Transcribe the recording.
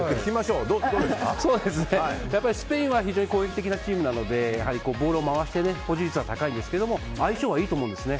スペインは非常に攻撃的なチームなのでボールを回して保持率は高いと思うんですが相性はいいと思うんですね。